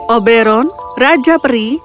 oberon raja peri